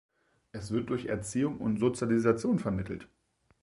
Es wird durch Erziehung und Sozialisation vermittelt.